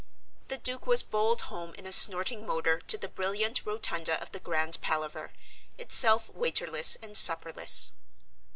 The Duke was bowled home in a snorting motor to the brilliant rotunda of the Grand Palaver, itself waiterless and supperless.